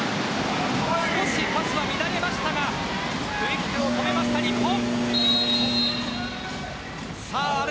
少しパスは乱れましたがクイックを止めた日本。